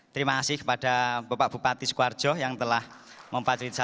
terima kasih kepada bapak bupati sekuarjo yang telah mempatrihkan kami